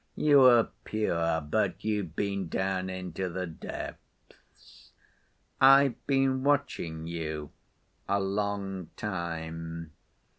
You are pure, but you've been down into the depths.... I've been watching you a long time.